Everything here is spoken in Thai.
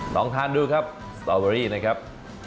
ลองทานดูครับสตอเบอรี่นะครับ